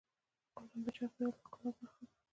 ګلان د چاپېریال د ښکلا برخه ده.